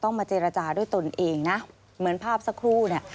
มาเจรจาด้วยตนเองนะเหมือนภาพสักครู่เนี่ย